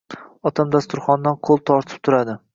Otam dasturxondan ko'l tortib turadi: